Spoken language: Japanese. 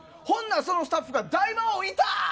ほんなら、そのスタッフが、大魔王いたー！